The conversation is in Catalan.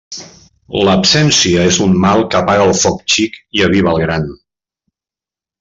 L'absència és un mal que apaga el foc xic i aviva el gran.